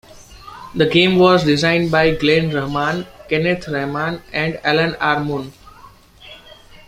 The game was designed by Glenn Rahman, Kenneth Rahman, and Alan R. Moon.